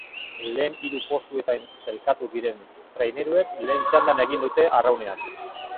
Lehen hiru postuetan sailkatu diren traineruek lehen txandan egin dute arraunean.